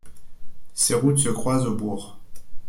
Ces routes se croisent au bourg.